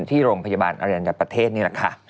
ที่โรงพยาบาลอรัญญาประเทศนี่แหละค่ะ